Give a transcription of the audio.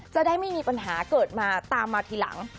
จะได้ไม่มีปัญหาเกิดมาตามมาทีหลัง